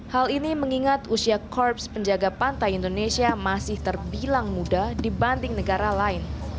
hal ini mengingat usia korps penjaga pantai indonesia masih terbilang muda dibanding negara lain